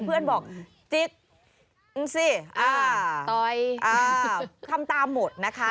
เพื่อนบอกจิกมึงสิต่อยทำตามหมดนะคะ